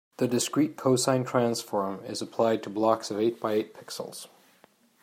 The discrete cosine transform is applied to blocks of eight by eight pixels.